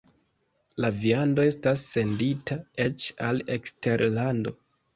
La viando estas sendita eĉ al eksterlando.